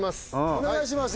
お願いします